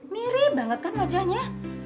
mirip banget kan wajahnya